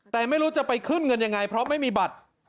แต่ไม่รู้จะไปขึ้นเงินยังไงเพราะไม่มีบัตร